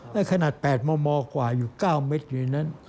และขนาด๘มมกว่าอยู่๙เม็ดอยู่ในนั้น